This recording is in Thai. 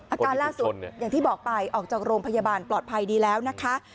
อาการล่าสุดอย่างที่บอกไปออกจากโรงพยาบาลปลอดภัยดีแล้วนะคะ